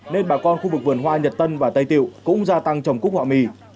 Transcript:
nên bà con khu vực vườn hoa nhật tân và tây tiệu cũng gia tăng trồng cúc họa mi